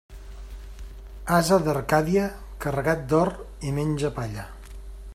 Ase d'Arcàdia, carregat d'or, i menja palla.